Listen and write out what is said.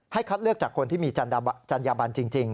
คัดเลือกจากคนที่มีจัญญาบันจริง